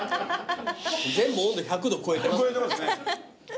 全部温度１００度超えてますよね。